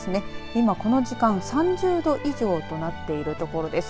今この時間３０度以上となっている所です。